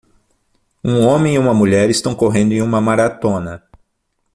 Um homem e uma mulher estão correndo em uma maratona.